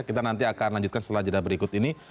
kita nanti akan lanjutkan setelah jeda berikut ini